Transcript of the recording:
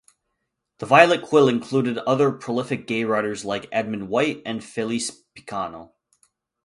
The Violet Quill included other prolific gay writers like Edmund White and Felice Picano.